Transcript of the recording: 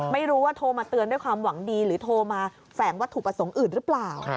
ไม่รู้ว่าโทรมาเตือนด้วยความหวังดีหรือโทรมาแฝงวัตถุประสงค์อื่นหรือเปล่า